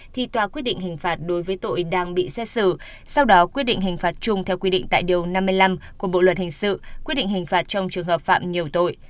thì tòa quyết định hình phạt đối với tội đang bị xét xử sau đó quyết định hình phạt chung theo quy định tại điều năm mươi năm của bộ luật hình sự quyết định hình phạt trong trường hợp phạm nhiều tội